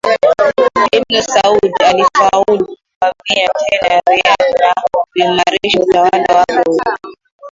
Ibn Saud alifaulu kuvamia tena Riyad na kuimarisha utawala wake huko